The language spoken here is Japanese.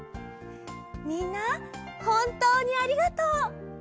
みんなほんとうにありがとう。